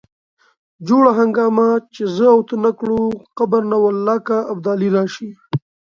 جوړه هنګامه چې زه او ته نه کړو قبر نه والله که ابدالي راشي.